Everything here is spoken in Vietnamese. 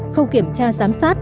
khâu kiểm tra giám sát